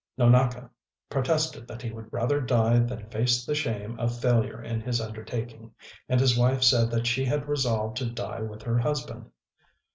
Nonaka protested that he would rather die than face the shame of failure in his undertaking; and his wife said that she had resolved to die with her husband.